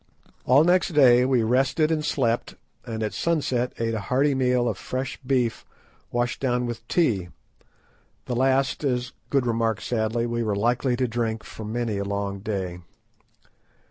All next day we rested and slept, and at sunset ate a hearty meal of fresh beef washed down with tea, the last, as Good remarked sadly, we were likely to drink for many a long day.